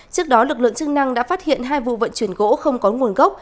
trước đó lực lượng chức năng đã phát hiện hai vụ vận chuyển gỗ không có nguồn gốc